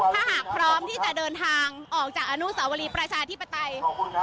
ถ้าหากพร้อมที่จะเดินทางออกจากอนุสาวรีประชาธิปไตย